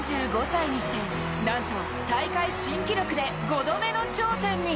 ３５歳にしてなんと大会新記録で５度目の頂点に。